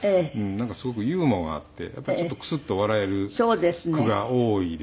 なんかすごくユーモアがあってやっぱりちょっとクスッと笑える句が多いですかね。